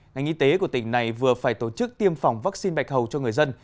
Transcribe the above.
ngành y tế của tỉnh này vừa phải tổ chức tiêm phòng vaccine bạch hầu cho người dân